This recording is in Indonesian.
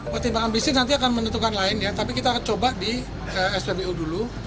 pertimbangan bisnis nanti akan menentukan lain ya tapi kita akan coba di spbu dulu